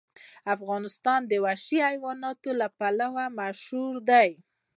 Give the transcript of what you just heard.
افغانستان د وحشي حیواناتو لپاره مشهور دی.